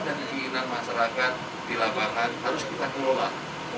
harapan dan inginan masyarakat di lapangan harus kita keluar